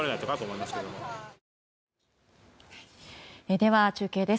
では、中継です。